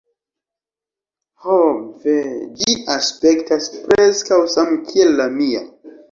"Ho, ve. Ĝi aspektas preskaŭ samkiel la mia!"